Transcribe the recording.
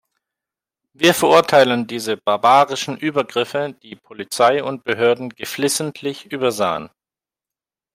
Wir verurteilen diese barbarischen Übergriffe, die Polizei und Behörden geflissentlich übersahen.